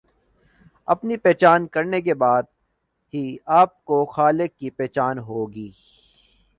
اپنی پہچان کرنے کے بعد ہی آپ کو خالق کی پہچان ہوگی۔